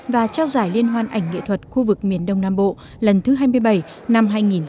và trao giải liên hoan ảnh nghệ thuật khu vực miền đông nam bộ lần thứ hai mươi bảy năm hai nghìn một mươi chín